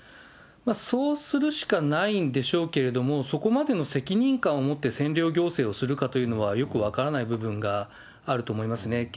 そうするしかないんでしょうけれども、そこまでの責任感を持って占領行政をするかというのはよく分からない部分があると思いますね。